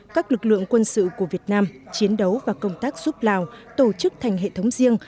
các lực lượng quân sự của việt nam chiến đấu và công tác giúp lào tổ chức thành hệ thống riêng